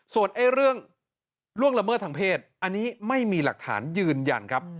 ส่วนเรื่องล่วงล่วงละเมิดทางเพศอันนี้ไม่มีหลักฐานยืนยันครับ